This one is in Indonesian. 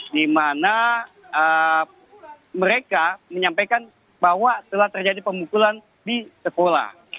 di mana mereka menyampaikan bahwa telah terjadi pemukulan di sekolah